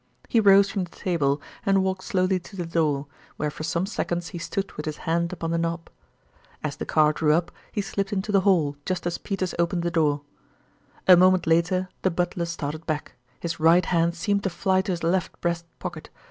He rose from the table and walked slowly to the door, where for some seconds he stood with his hand upon the knob. As the car drew up he slipped into the hall, just as Peters opened the door. A moment later the butler started back, his right hand seemed to fly to his left breast pocket.